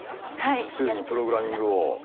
ついにプログラミングを。